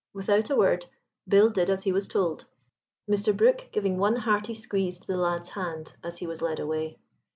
Without a word Bill did as he was told, Mr. Brook giving one hearty squeeze to the lad's hand as he was led away.